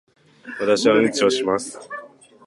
私は掃除をします。